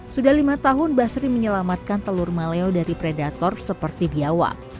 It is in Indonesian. sudah lima tahun basri menyelamatkan telur maleo dari predator seperti biawak